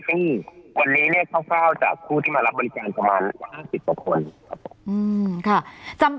ซึ่งวันนี้เนี่ยคร่าวจากผู้ที่มารับบริการประมาณ๕๐กว่าคนครับผม